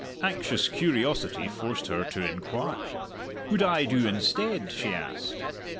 Anxious curiosity forced her to inquire. "Would I do instead?" she asked.